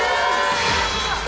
やった！